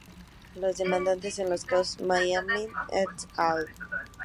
Los demandantes en los casos, M"amani, et al.